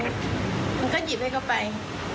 มันก็หยิบให้เขาไป